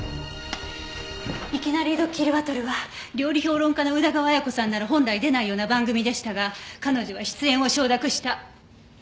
『いきなりどっきりバトル』は料理評論家の宇田川綾子さんなら本来出ないような番組でしたが彼女は出演を承諾した。